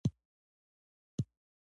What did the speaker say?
استاد محب الله سره واشنګټن ته ولاړم.